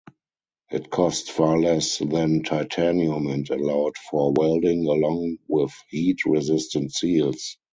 It cost far less than titanium and allowed for welding, along with heat-resistant seals.